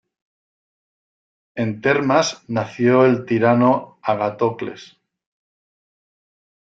En Termas nació el tirano Agatocles.